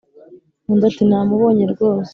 Undi ati"namubonye rwose